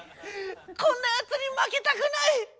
こんなやつに負けたくない！